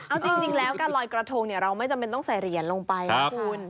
เอาจริงแล้วการลอยกระทงเราไม่จำเป็นต้องใส่เหรียญลงไปนะคุณ